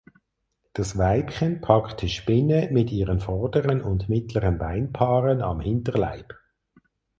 Das Weibchen packt die Spinne mit ihren vorderen und mittleren Beinpaaren am Hinterleib.